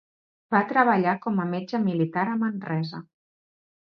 Va treballar com a metge militar a Manresa.